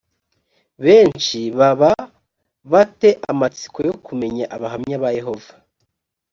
benshi baba ba te amatsiko yo kumenya abahamya ba yehova